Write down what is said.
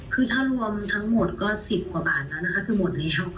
คือถ้ารวมทั้งหมดก็๑๐กว่าบาทแล้วนะคะคือหมดแล้ว